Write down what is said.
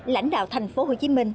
lãnh đạo thành phố hồ chí minh